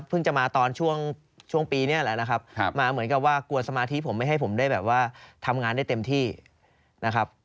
จะมาตอนช่วงปีนี้แหละนะครับมาเหมือนกับว่ากลัวสมาธิผมไม่ให้ผมได้แบบว่าทำงานได้เต็มที่นะครับ